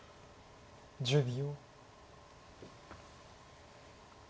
１０秒。